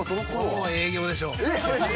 もう営業でしょ。